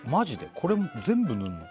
これ全部塗るの？